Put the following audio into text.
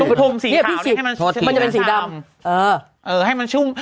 ตรงกระทุ่มสีขาวเนี้ยให้มันมันจะเป็นสีดำเออเออให้มันชุ่ม